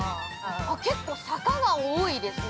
結構、坂が多いですね。